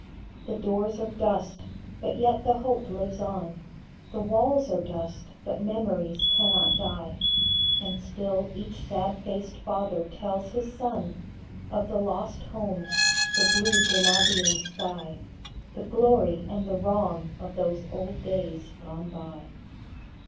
The doors are dust, but yet the hope lives on ; The walls are dust, but memories cannot die ; .And still each sad faced father tells his son Of the lost homes, the blue Granadian sky, The glory and the wrong of those old days gone by.